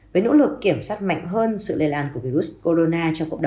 với nỗ lực kiểm soát mạnh hơn sự lây lan của virus corona